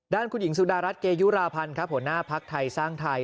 ด้านคุณหญิงสุดารัฐเกยุราพันธ์ครับหัวหน้าภักดิ์ไทยสร้างไทย